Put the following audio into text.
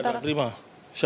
tidak saya tidak ada terima